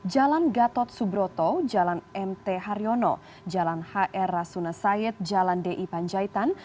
jalan gatot subroto jalan mt haryono jalan hr rasuna sayed jalan di panjaitan